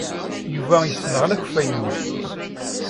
Yuba yessenɣel akeffay-nni.